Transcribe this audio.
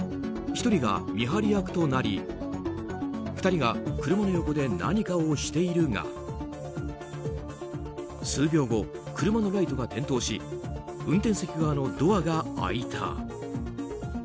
１人が見張り役となり２人が車の横で何かをしているが数秒後、車のライトが点灯し運転席側のドアが開いた。